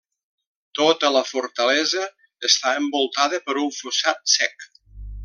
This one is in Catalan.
Tota la fortalesa està envoltada per un fossat sec.